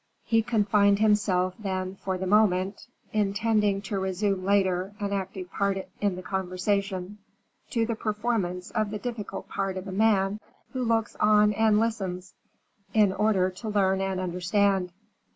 He confined himself, then, for the moment intending to resume later an active part in the conversation to the performance of the difficult part of a man who looks on and listens, in order to learn and understand.